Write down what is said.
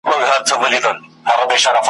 د بابړې پټنگان چا شهیدان کړل